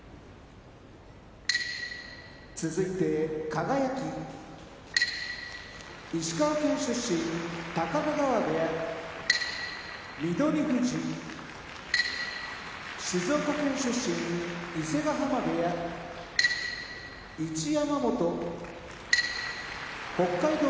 輝石川県出身高田川部屋翠富士静岡県出身伊勢ヶ濱部屋一山本北海道